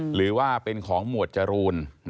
หรือว่าเป็นของหมวดจรูน